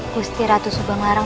gusti ratu subangarang